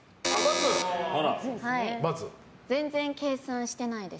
全然計算してないです。